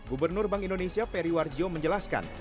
gubernur bank indonesia periwarjo menjelaskan